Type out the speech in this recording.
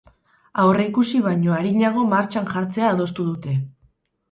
Aurreikusi baino arinago martxan jartzea adostu dute.